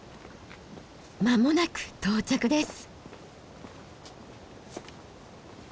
間もなく到着です。